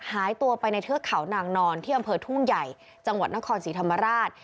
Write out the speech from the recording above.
หายตัวไปในเทือกเขานางนอนที่อำเภอทุ่งใหญ่จังหวัดนครศรีธรรมราช